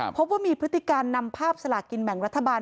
พบว่ามีพฤติการนำภาพสลากินแบ่งรัฐบาล